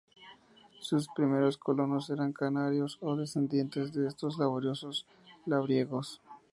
Sus primeros colonos eran canarios o descendientes de estos laboriosos labriegos.